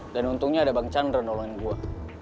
dan untungnya ada bang chandra nolongin gue